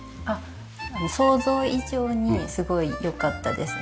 想像以上にすごい良かったですね